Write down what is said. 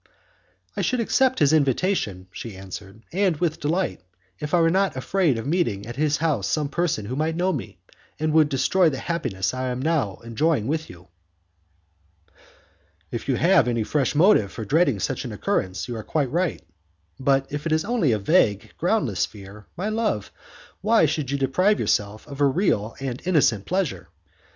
"I should accept his invitation," she answered, "and with delight, if I were not afraid of meeting at his house some person who might know me, and would destroy the happiness I am now enjoying with you." "If you have any fresh motive for dreading such an occurrence, you are quite right, but if it is only a vague, groundless fear, my love, why should you deprive yourself of a real and innocent pleasure?